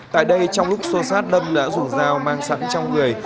tại đây trong lúc xô sát lâm đã dùng dao mang sẵn trong người